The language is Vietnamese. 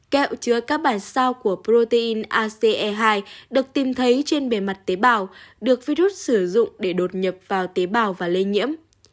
kẹo chứa các bản sao của protein ace hai được tìm thấy trên bề mặt tế bào được virus sử dụng để đột nhập vào tế bào và lây nhiễm